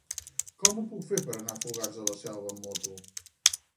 Com ho puc fer per anar a Fogars de la Selva amb moto?